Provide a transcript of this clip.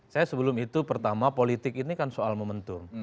saya sebelum itu pertama politik ini kan soal momentum